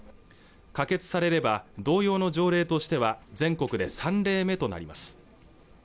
可決されれば同様の条例としては全国で３例目となります